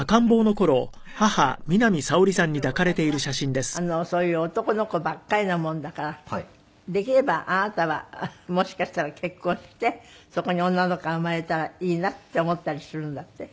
それでおたくはそういう男の子ばっかりなものだからできればあなたはもしかしたら結婚してそこに女の子が生まれたらいいなって思ったりするんだって？